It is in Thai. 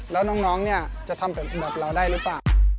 แล้วน้องจะทำเป็นแบบเราได้หรือป่ะ